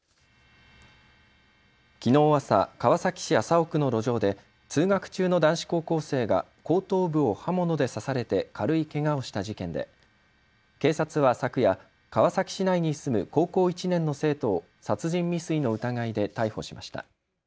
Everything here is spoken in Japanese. きのう朝、川崎市麻生区の路上で通学中の男子高校生が後頭部を刃物で刺されて軽いけがをした事件で警察は昨夜、川崎市内に住む高校１年の生徒を殺人未遂の疑いで逮捕しました。